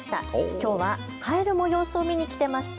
きょうはカエルも様子を見に来ていました。